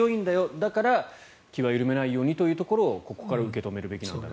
だから気は緩めないようにというところをここから受け止めるべきなんだと。